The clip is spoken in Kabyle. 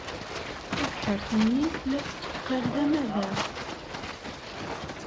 Tibḥirt-nni la tetteqqal d amadaɣ.